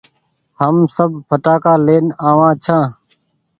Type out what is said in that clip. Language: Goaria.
هم سب ڦٽآ ڪآ لين آ وآن ڇآن